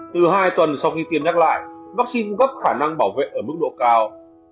từ hai tuần sau khi tiêm nhắc lại vaccine cũng góp khả năng bảo vệ ở mức độ cao